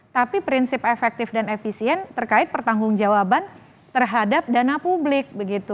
tapi prinsip efektif dan efisien terkait pertanggung jawaban terhadap dana publik begitu